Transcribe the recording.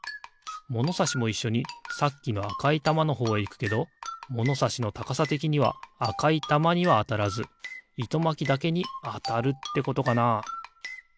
ものさしもいっしょにさっきのあかいたまのほうへいくけどものさしのたかさてきにはあかいたまにはあたらずいとまきだけにあたるってことかな？